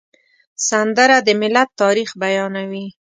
سندره د ملت تاریخ بیانوي